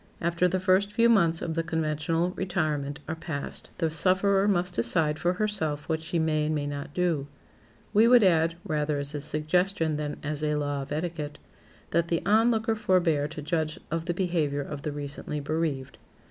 After the first few months of the conventional retirement are past the sufferer must decide for herself what she may and may not do. We would add, rather as a suggestion than as a law of etiquette, that the onlooker forbear to judge of the behavior of the recently bereaved.